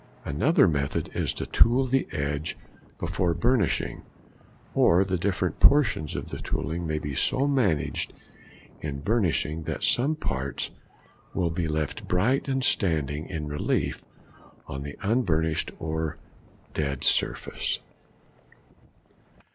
Another method is to tool the edge before burnishing, or the different portions of the tooling may be so managed in burnishing that some parts will be left bright and standing in relief on the unburnished or dead surface.